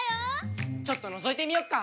ちょっとのぞいてみよっか！